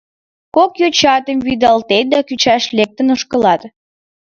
Кок йочатым вӱдалтет да кӱчаш лектын ошкылат.